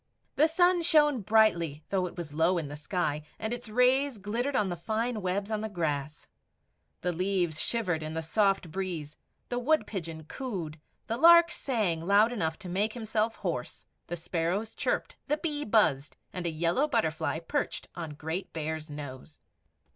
The sun shone brightly though it was low in the sky, and its rays glittered on the fine webs on the grass. The leaves shivered in the soft breeze; the wood pigeon cooed; the lark sang loud enough to make himself hoarse; the sparrows chirped; the bee buzzed, and a yellow butterfly perched on great Bear's nose.